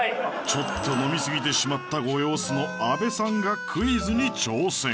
ちょっと飲みすぎてしまったご様子のアベさんがクイズに挑戦